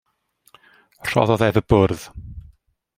Rhoddodd ef y bwrdd.